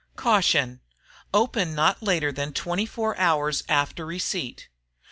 CAUTION: Open not later than 24 hours after receipt.